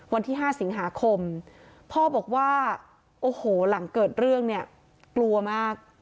วันที่๕สิงหาคมพ่อบอกว่าโอ้โหหลังเกิดเรื่องเนี่ยกลัวมาก